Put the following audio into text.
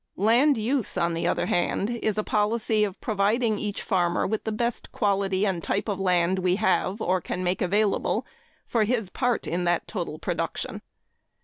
Land use, on the other hand, is a policy of providing each farmer with the best quality and type of land we have, or can make available, for his part in that total production.